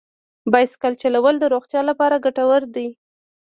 سایکل چلول د روغتیا لپاره ګټور دی.